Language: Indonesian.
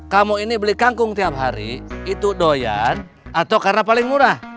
kamu ini beli kangkung tiap hari itu doyan atau karena paling murah